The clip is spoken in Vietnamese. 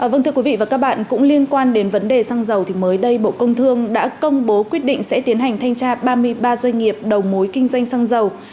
vâng thưa quý vị và các bạn cũng liên quan đến vấn đề xăng dầu thì mới đây bộ công thương đã công bố quyết định sẽ tiến hành thanh tra ba mươi ba doanh nghiệp đầu mối kinh doanh xăng dầu